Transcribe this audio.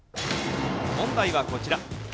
問題はこちら。